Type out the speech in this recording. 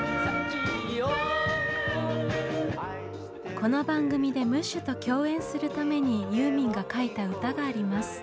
この番組でムッシュと共演するためにユーミンが書いた歌があります。